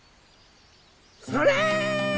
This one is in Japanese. それ！